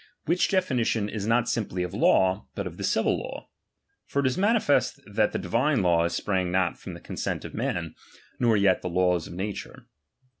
Which definition is not simply of late, but of the civil law. For it is manifest that the divine laws sprang not from the consent of men, nor yet the laws of nature.